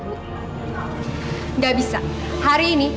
enggak bisa hari ini